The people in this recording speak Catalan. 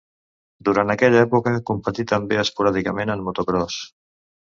Durant aquella època competí també esporàdicament en motocròs.